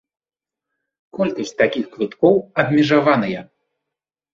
Колькасць такіх квіткоў абмежаваная.